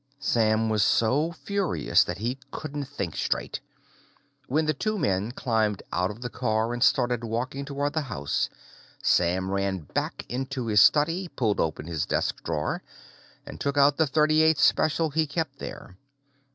Sam was so furious that he couldn't even think straight. When the two men climbed out of the car and started walking toward the house, Sam ran back into his study, pulled open his desk drawer, and took out the .38 Special he kept there.